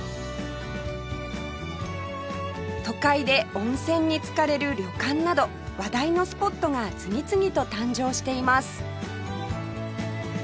都会で温泉に浸かれる旅館など話題のスポットが次々と誕生しています